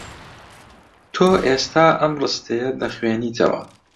تۆ ئێستا ئەم ڕستەیە دەخوێنیتەوە.